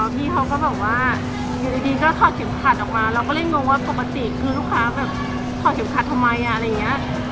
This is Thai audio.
พี่เขาก็บอกว่าอยู่ดีก็ถอดเข็มขัดออกมาเราก็เลยงงว่าปกติคือลูกค้าแบบถอดเข็มขัดทำไมอะไรอย่างนี้